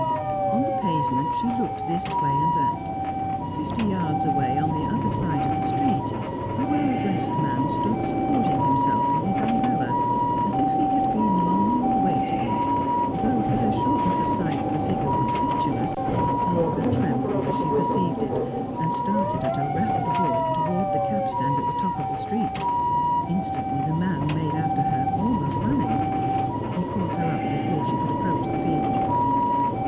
On the pavement, she looked this way and that. Fifty yards away, on the other side of the street, a well dressed man stood supporting himself on his umbrella, as if he had been long waiting; though to her shortness of sight the figure was featureless, Olga trembled as she perceived it, and started at a rapid walk towards the cabstand at the top of the street. Instantly, the man made after her, almost running. He caught her up before she could approach the vehicles.